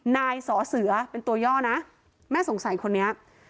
นายสอเสือเป็นตัวย่อนะแม่สงสัยคนนี้